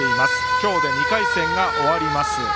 今日で２回戦が終わります。